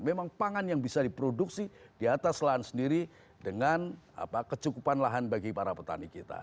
memang pangan yang bisa diproduksi di atas lahan sendiri dengan kecukupan lahan bagi para petani kita